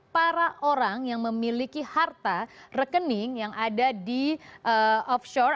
para orang yang memiliki harta rekening yang ada di offshore